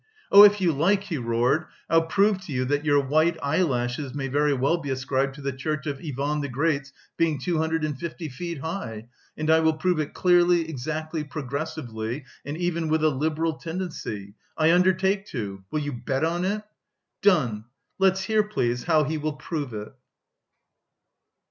"Oh, if you like," he roared. "I'll prove to you that your white eyelashes may very well be ascribed to the Church of Ivan the Great's being two hundred and fifty feet high, and I will prove it clearly, exactly, progressively, and even with a Liberal tendency! I undertake to! Will you bet on it?" "Done! Let's hear, please, how he will prove it!"